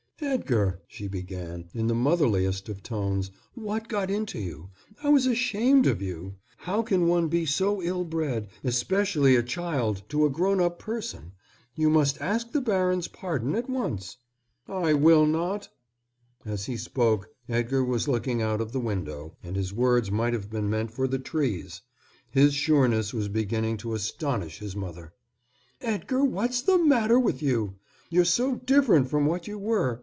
"Edgar," she began, in the motherliest of tones, "what got into you? I was ashamed of you. How can one be so ill bred, especially a child to a grown up person? You must ask the baron's pardon at once." "I will not." As he spoke Edgar was looking out of the window, and his words might have been meant for the trees. His sureness was beginning to astonish his mother. "Edgar, what's the matter with you? You're so different from what you were.